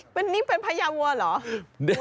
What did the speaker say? นี่เป็นพญาวัวเหรอ